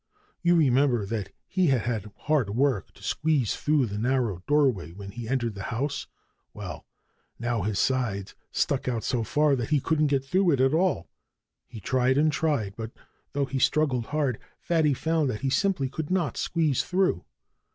You remember that he had had hard work to squeeze through the narrow doorway when he entered the house? Well, now his sides stuck out so far that he couldn't get through it at all. He tried and tried; but though he struggled hard, Fatty found that he simply could not squeeze through.